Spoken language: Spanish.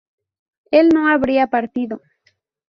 él no habría partido